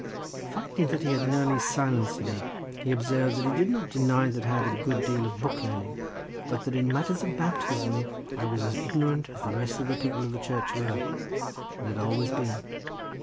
Finding that he had nearly silenced me, he observed that he did not deny that I had a good deal of book learning, but that in matters of baptism I was as ignorant as the rest of the people of the church were, and had always been.